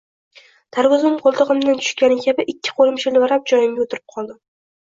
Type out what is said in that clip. Tarvuzim qo’ltig’imdan tushgani kabi ikki qo’lim shalvirab joyimga o’tirib qoldim.